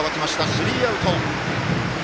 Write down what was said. スリーアウト。